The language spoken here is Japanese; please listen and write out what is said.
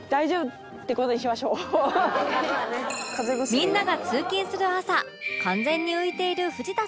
みんなが通勤する朝完全に浮いている藤田さん